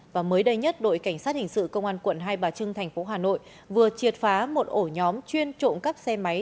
và mới đây nhất đội cảnh sát hình sự công an quận hai bà trưng thành phố hà nội vừa triệt phá một ổ nhóm chuyên trộm cắp xe máy